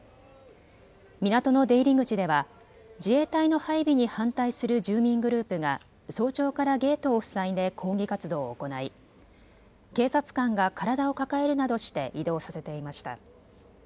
港の出入り口では自衛隊の配備に反対する住民グループが早朝からゲートを塞いで抗議活動を行い警察官が体を抱えるなどして移動させていました。